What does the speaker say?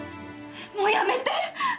もうやめて！